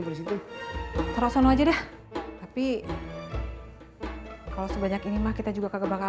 terus itu terus sana aja deh tapi kalau sebanyak ini makita juga kagak bakal